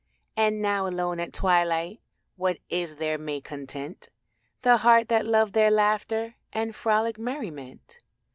And now alone at twilight What is there may content The heart that loved their laughter And frolic merriment?